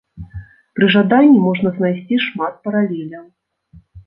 Пры жаданні можна знайсці шмат паралеляў.